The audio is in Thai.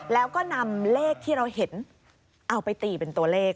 แล้วก็นำเลขที่เราเห็นเอาไปตีเป็นตัวเลข